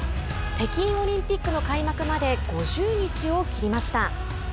北京オリンピックの開幕まで５０日を切りました。